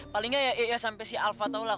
paling gak ya sampe si alva tau lah